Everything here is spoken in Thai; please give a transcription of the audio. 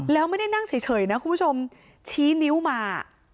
แล้วไม่ได้นั่งเฉยนะคุณผู้ชมชี้นิ้วมา